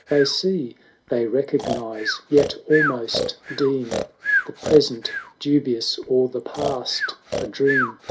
They see, they recognise, yet almost deem The present dubious, or the past a dream.